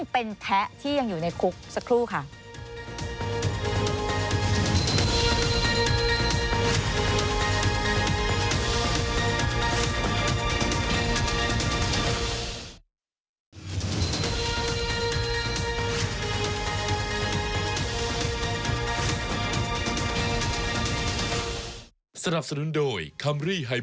เป็นแท้ที่ยังอยู่ในคุกสักครู่ค่ะ